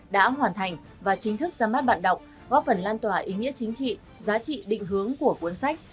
đã hoàn thành và chính thức ra mắt bạn đọc góp phần lan tỏa ý nghĩa chính trị giá trị định hướng của cuốn sách